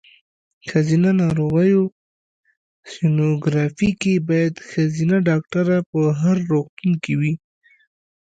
ښځېنه ناروغیو سینوګرافي کې باید ښځېنه ډاکټره په هر روغتون کې وي.